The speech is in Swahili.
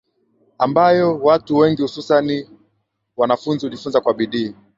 ambayo watu wengi hususani wanafunzi hujifunza kwa bidii